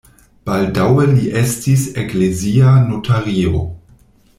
Baldaŭe li estis eklezia notario.